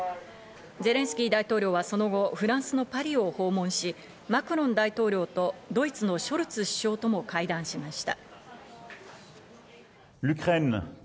ゼレンスキー大統領は、その後、フランスのパリを訪問し、マクロン大統領とドイツのショルツ首相とも会談しました。